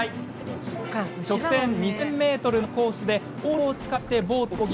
直線２０００ｍのコースでオールを使ってボートをこぎ